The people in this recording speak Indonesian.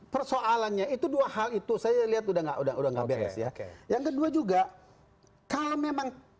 persoalannya itu dua hal itu saya lihat udah enggak udah udah nggak beres ya yang kedua juga kalau memang